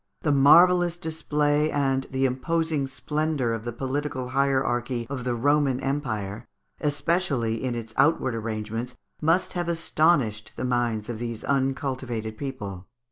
The marvellous display and the imposing splendour of the political hierarchy of the Roman Empire, especially in its outward arrangements, must have astonished the minds of these uncultivated people.